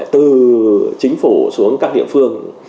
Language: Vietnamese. từ chính phủ xuống các địa phương